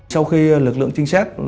sau khi lực lượng trinh sát